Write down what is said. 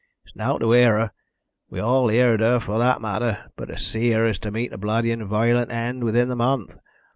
It's nowt to hear her we've all heerd her for that matter but to see her is to meet a bloody and violent end within the month.